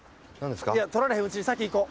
取られへんうちに先行こう。